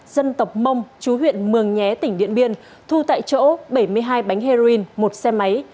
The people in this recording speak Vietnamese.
dân tộc mông chú huyện mường nhé tỉnh điện biên thu tại chỗ bảy mươi hai bánh heroin một xe máy